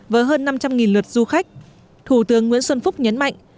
với hơn năm trăm linh lượt du khách thủ tướng nguyễn xuân phúc nhấn mạnh